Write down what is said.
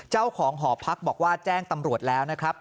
เจ้าของหอพักบอกว่าแจ้งตำรวจแล้วนะครับ